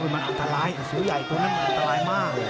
มันอันตรายสือใหญ่ตัวนั้นมันอันตรายมาก